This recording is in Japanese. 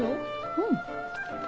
うん。